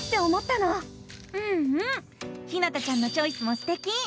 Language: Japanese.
うんうんひなたちゃんのチョイスもすてき！